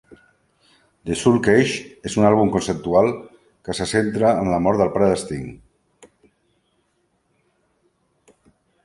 "The Soul Cages" és un àlbum conceptual que se centra en la mort del pare d'Sting.